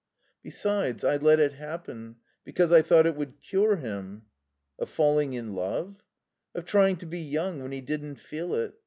"... Besides, I let it happen. Because I thought it would cure him." "Of falling in love?" "Of trying to be young when he didn't feel it.